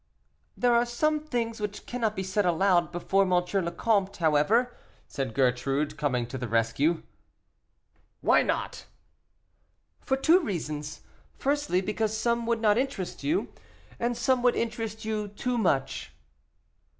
"There are some things which cannot be said aloud before M. le Comte, however," said Gertrude, coming to the rescue. "Why not?" "For two reasons; firstly, because some would not interest you, and some would interest you too much."